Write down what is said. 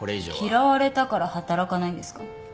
嫌われたから働かないんですか？